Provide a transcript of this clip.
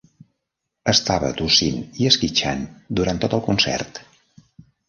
Estava tossint i esquitxant durant tot el concert.